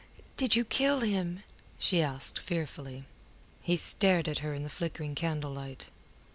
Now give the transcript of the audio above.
did you kill him?" she asked, fearfully. He stared at her in the flickering candlelight.